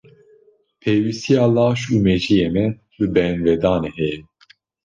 Pêwistiya laş û mejiyê me bi bêhinvedanê heye.